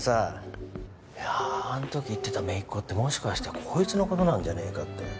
いやあの時言ってた姪っ子ってもしかしてこいつの事なんじゃねえかって。